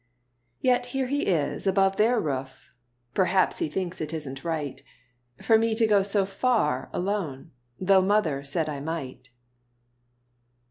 Yet here he is above their roof; Perhaps he thinks it isn't right For me to go so far alone, Tho' mother said I might.